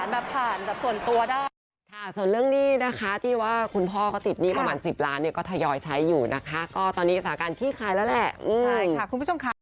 มันก็คงง่ายในการที่จะสื่อสารผ่านส่วนตัวได้